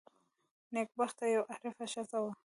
نېکبخته یوه عارفه ښځه وه.